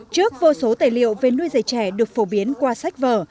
trước vô số tài liệu về nuôi dạy trẻ được phổ biến qua sách vở